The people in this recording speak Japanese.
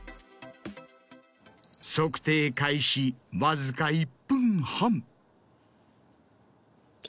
測定開始わずか１分半。